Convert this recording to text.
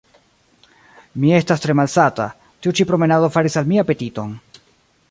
Mi estas tre malsata; tiu ĉi promenado faris al mi apetiton.